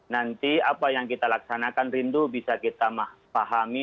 nanti apa yang kita laksanakan rindu bisa kita pahami